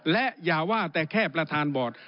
และอย่าว่าแต่แค่ประธานบอร์ด